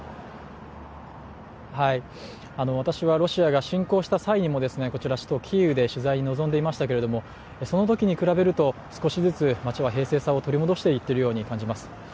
私はロシアが侵攻した際にも首都キーウで取材に臨んでいましたけれども、そのときに比べると少しずつ街は平静さを取り戻していっているように思えます。